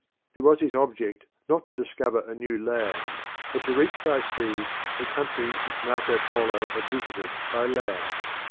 It was his object not to discover a new land, but to reach by sea the country which Marco Polo had visited by land.